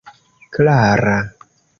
klara